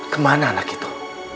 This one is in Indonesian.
kemana anak itu